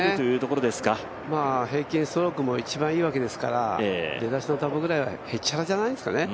そうですね、平均ストロークも一番いいわけですから出だしのダボぐらいはへっちゃらじゃないですかね。